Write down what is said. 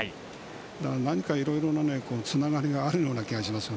何かいろいろなつながりがあるような気がします。